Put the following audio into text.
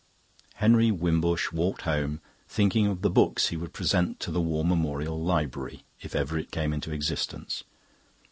Henry Wimbush walked home thinking of the books he would present to the War Memorial Library, if ever it came into existence.